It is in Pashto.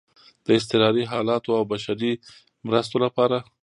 د اضطراري حالاتو او بشري مرستو لپاره